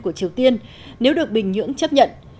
của triều tiên nếu được bình nhưỡng chấp nhận